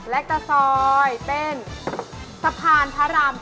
และจะซอยเต้นสะพานพระราม